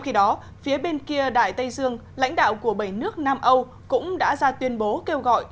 khi đó phía bên kia đại tây dương lãnh đạo của bảy nước nam âu cũng đã ra tuyên bố kêu gọi